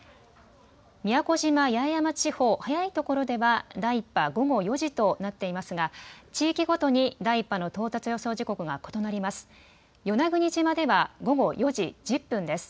宮古島・八重山地方、早いところでは第１波、午後４時となっていますが地域ごとに、第１波の到達予想時刻が異なります。